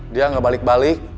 dia gak balik balik